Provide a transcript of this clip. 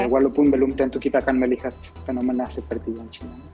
walaupun belum tentu kita akan melihat fenomena seperti yang